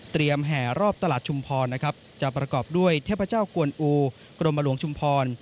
แห่รอบตลาดชุมพรนะครับจะประกอบด้วยเทพเจ้ากวนอูกรมหลวงชุมพร